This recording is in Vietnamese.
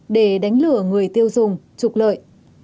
để đánh lừa người tiêu dùng trục lợi